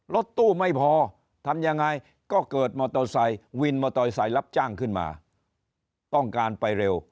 รถตู้ไม่พอทำยังไงก็เกิดมอเตอร์ไซค์วินมอเตอร์ไซค์รับจ้างขึ้นมาต้องการไปเร็ว